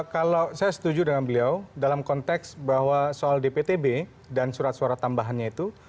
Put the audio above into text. kalau saya setuju dengan beliau dalam konteks bahwa soal dptb dan surat suara tambahannya itu